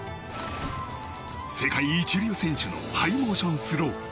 世界一流選手のハイモーションスロー。